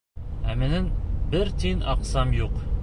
Ә минең бер тин аҡсам юҡ.